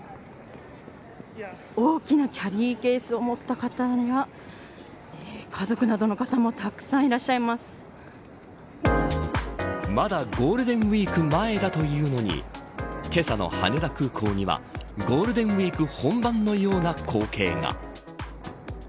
大きなキャリーケースを持った方が家族などの方もまだゴールデンウイーク前だというのにけさの羽田空港にはゴールデンウイーク本番のような光景が。